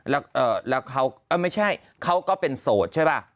แล้วเขาไม่ใช่เขาก็เป็นโสดใช่ป่ะ